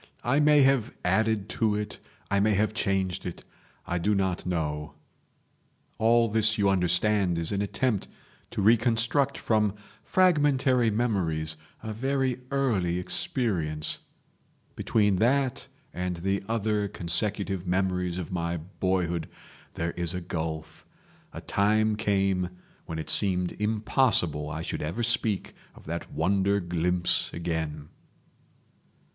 I may have added to it, I may have changed it; I do not know ..... All this you understand is an attempt to reconstruct from fragmentary memories a very early experience. Between that and the other consecutive memories of my boyhood there is a gulf. A time came when it seemed impossible I should ever speak of that wonder glimpse again."